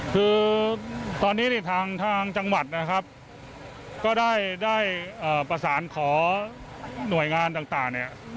คือตอนนี้เนี้ยทางทางจังหวัดนะครับก็ได้ได้เอ่อประสานขอหน่วยงานต่างต่างเนี้ย